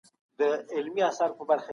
فردي ملکیت ته په درناوي ټولنه پرمختګ کوي.